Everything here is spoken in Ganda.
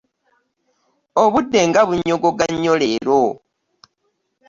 Obudde nga bunyogoga nnyo leero.